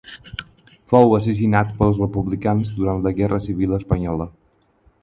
Fou assassinat pels republicans durant la Guerra Civil espanyola.